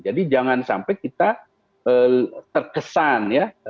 jadi jangan sampai kita terkesan ya